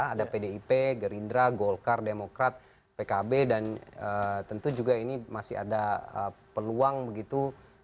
ada pdip gerindra golkar demokrat pkb dan tentu juga ini masih ada peluang begitu